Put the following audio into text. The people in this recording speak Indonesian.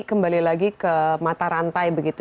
kembali lagi ke mata rantai begitu